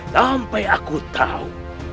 sampai aku tahu